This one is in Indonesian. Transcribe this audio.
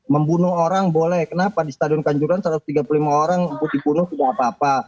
membunuh orang boleh kenapa di stadion kanjuran satu ratus tiga puluh lima orang dibunuh tidak apa apa